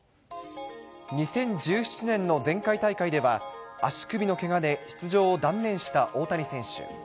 ２０１７年の前回大会では、足首のけがで出場を断念した大谷選手。